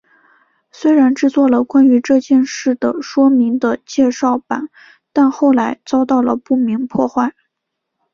虽然制作了关于这件事的说明的介绍板但后来遭到了不明破坏。